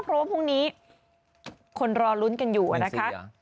เพราะว่าพรุ่งนี้คนรอลุ้นกันอยู่นะคะ